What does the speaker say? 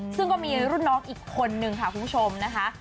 ซึ่งก็มีรุ่นน้องอีกคนนึงค่ะคุณผู้ชมนะคะ